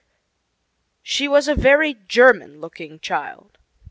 She was a very German looking child.